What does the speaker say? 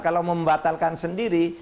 kalau membatalkan sendiri